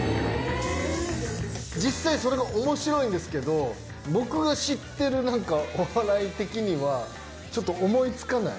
実際それがおもしろいんですけど、僕が知ってるなんかお笑い的には、ちょっと思いつかない。